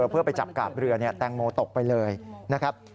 เพื่อไปจับกาบเรือแตงโมตกไปเลยนะครับ